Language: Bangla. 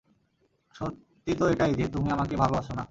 সত্যি তো এটাই যে তুমি আমাকে ভালোই বাসো না!